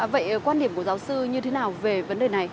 vậy quan điểm của giáo sư như thế nào về vấn đề này